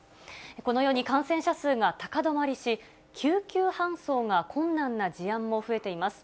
このように、感染者数が高止まりし、救急搬送が困難な事案も増えています。